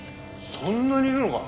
そんなにいるのか？